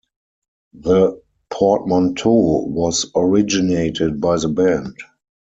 The portmanteau was originated by the band.